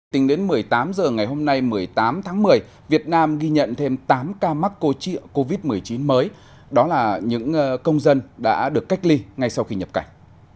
tính đến một mươi tám h ngày hôm nay một mươi tám tháng một mươi việt nam ghi nhận thêm tám ca mắc covid một mươi chín mới đó là những công dân đã được cách ly ngay sau khi nhập cảnh